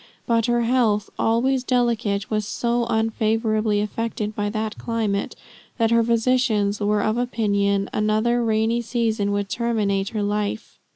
But her health, always delicate, was so unfavorably affected by that climate that her physicians were of opinion another rainy season would terminate her life.